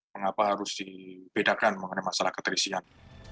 mengapa harus dibedakan mengenai masalah keterisian